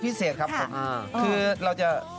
เพราะว่าใจแอบในเจ้า